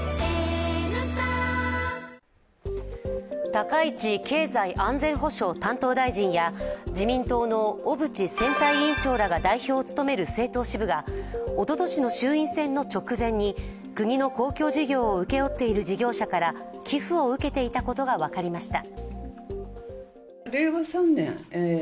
高市経済安全保障担当大臣や自民党の小渕選対委員長らが代表を務める政党支部がおととしの衆院選の直前に国の公共事業を請け負っている事業者から寄付を受けていたことが分かりました。